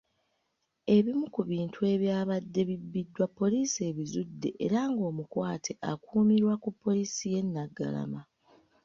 Ebimu ku bintu ebyabadde bibbiddwa poliisi ebizudde era ng'omukwate akuumirwa ku poliisi y'e Naggalama.